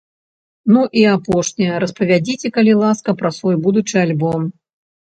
Ну, і апошняе, распавядзіце, калі ласка, пра свой будучы альбом.